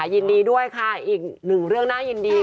ยินดีด้วยค่ะอีกหนึ่งเรื่องน่ายินดี